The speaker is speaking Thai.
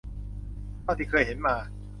เท่าที่เคยเห็นมา